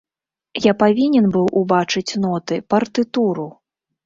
Я павінен быў убачыць ноты, партытуру!